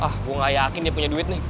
ah gue gak yakin dia punya duit nih